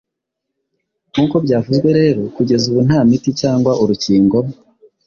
Nkuko byavuzwe rero, kugeza ubu nta muti cyangwa urukingo